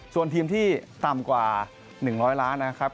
ส่วนทีมที่ต่ำกว่า๑๐๐ล้านนะครับ